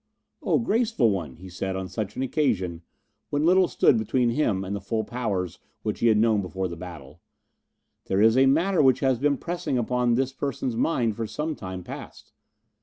"Oh, graceful one," he said on such an occasion, when little stood between him and the full powers which he had known before the battle, "there is a matter which has been pressing upon this person's mind for some time past.